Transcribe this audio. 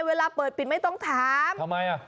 เวลาเปิดปิดไม่ต้องถามทำไมอ่ะ